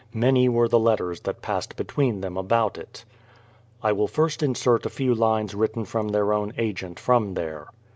Many were the letters that passed between them about it. I will first insert a few lines written from their own agent from there.